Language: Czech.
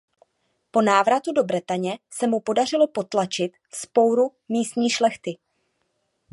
Po návratu do Bretaně se mu podařilo potlačit vzpouru místní šlechty.